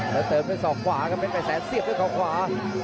แล้วเติมเป็นสอกขวาครับเพชรแม่แสนเสียบด้วยของขวา